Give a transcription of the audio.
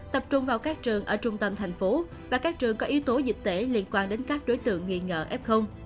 tập trung vào các trường ở trung tâm thành phố và các trường có yếu tố dịch tễ liên quan đến các đối tượng nghi ngờ f